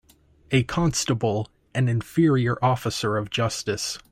A constable an inferior officer of justice.